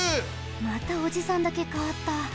またおじさんだけかわった。